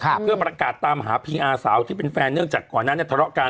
เพื่อประกาศตามหาพีอาสาวที่เป็นแฟนเนื่องจากก่อนนั้นเนี้ยทะเลาะกัน